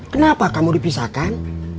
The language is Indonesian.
kenapa kamu dipisahkan